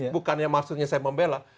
bukannya maksudnya saya membela